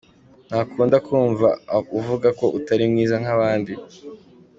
Ntakunda kumva uvuga ko utari mwiza nk’abandi.